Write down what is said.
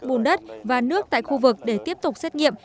bùn đất và nước tại khu vực để tiếp tục xét nghiệm